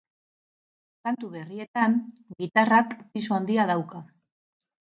Kantu berrietan gitarrak pisu handia dauka.